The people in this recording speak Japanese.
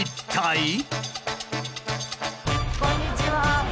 こんにちは。